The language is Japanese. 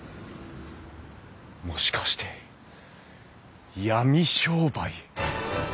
もしかして闇商売。